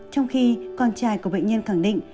trong khi con trai của bệnh nhân khẳng định